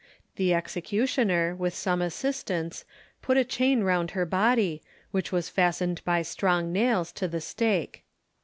The executioner, with some assistants, put a chain round her body, which was fastened by strong nails to the stake.